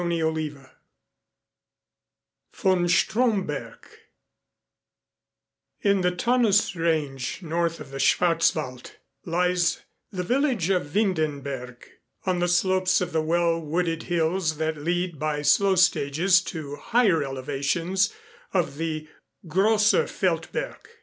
CHAPTER XI VON STROMBERG In the Taunus range north of the Schwartzwald, lies the village of Windenberg, on the slopes of the well wooded hills that lead by slow stages to higher elevations of the Grosser Feldberg.